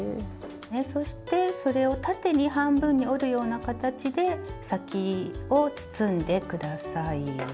そしてそれを縦に半分に折るような形で先を包んで下さい。